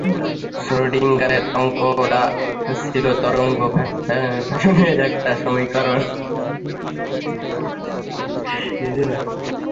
শ্রোডিংগারের অঙ্কটা ছিল তরঙ্গ ফাংশনের একটা সমীকরণ।